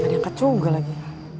ada yang kacung juga lagi